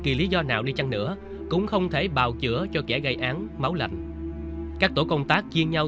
kỳ lý do nào đi chăng nữa cũng không thể bào chữa cho kẻ gây án máu lạnh các tổ công tác chia nhau